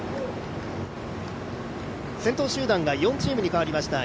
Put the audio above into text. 先頭集団が４チームに変わりました。